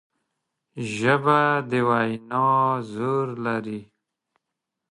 ژبه د وینا زور لري